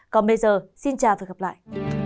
còn bây giờ xin chào và gặp lại